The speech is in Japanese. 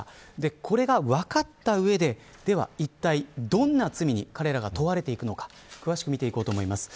これがわかった上ででは、いったいどんな罪に彼らが問われていくのか詳しく見ていこうと思います。